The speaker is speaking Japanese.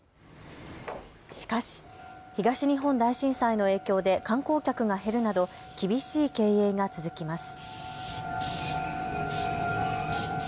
しかし、東日本大震災の影響で観光客が減るなど厳しい経営が続きます。